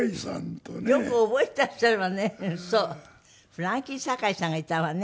フランキー堺さんがいたわね。